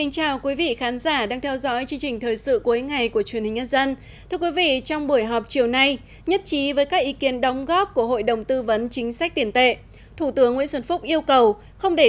chào mừng quý vị đến với bộ phim hãy nhớ like share và đăng ký kênh của chúng mình nhé